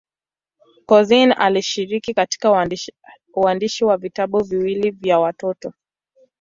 Couzyn alishiriki katika uandishi wa vitabu viwili vya watoto.